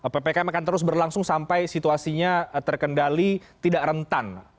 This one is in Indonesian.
ppkm akan terus berlangsung sampai situasinya terkendali tidak rentan